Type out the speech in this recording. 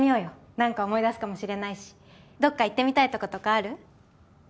何か思い出すかもしれないしどっか行ってみたいとことかある？